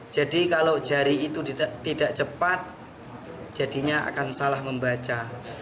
jadi kalau jari itu tidak cepat jadinya akan salah membaca